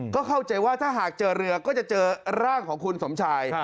ก็เข้าใจว่าถ้าหากเจอเรือก็จะเจอร่างของคุณสมชาย